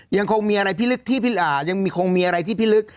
ยังคงมีอะไรที่พิลึก